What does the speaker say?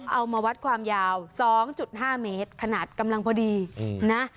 เอามาวัดความยาว๒๕เมตรขนาดกำลังพอดีนะ